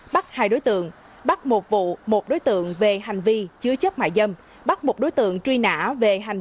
bắt hai đối tượng bắt một vụ một đối tượng về hành vi chứa chất mại dâm bắt một đối tượng truy nã về hành